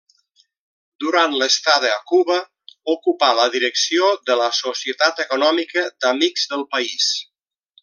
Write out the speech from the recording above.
Durant l'estada a Cuba ocupà la direcció de la Societat Econòmica d'Amics del País.